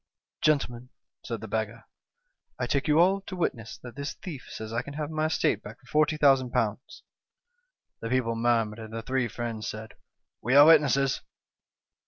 "'Gentlemen,' said the beggar, 'I take you all to witness that this thief says I can have my estate back for ^40,000.' " The people murmured, and the three friends said :' We are witnesses.'